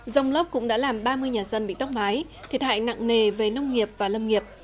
rông lốc cũng đã làm ba mươi nhà dân bị tóc mái thiệt hại nặng nề về nông nghiệp và lâm nghiệp